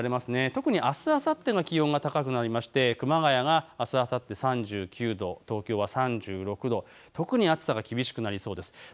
特にあすあさって、気温が高くなりまして熊谷が３９度、東京が３６度、特に暑さが厳しくなりそうです。